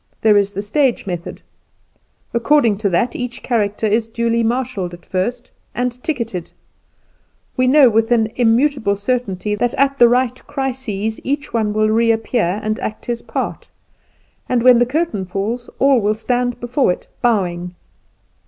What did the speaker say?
There is the stage method. According to that each character is duly marshalled at first, and ticketed; we know with an immutable certainty that at the right crises each one will reappear and act his part, and, when the curtain falls, all will stand before it bowing.